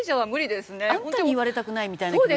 あんたに言われたくないみたいな気に。